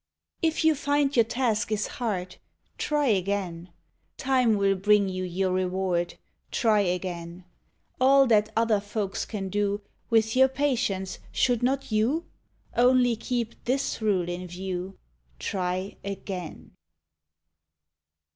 If you find your task is hard, Try again; Time will bring you your reward, Try again. All that other folks can do. With your patience should not you? Only keep this rule in view — Try again.